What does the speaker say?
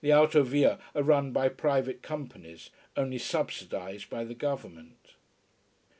The autovie are run by private companies, only subsidised by the government.